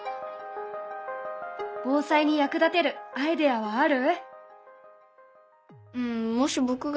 防災に役立てるアイデアはある？